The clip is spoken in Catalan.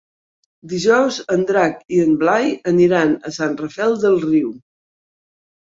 Dijous en Drac i en Blai aniran a Sant Rafel del Riu.